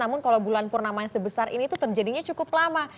namun kalau bulan purnama yang sebesar ini itu terjadinya cukup lama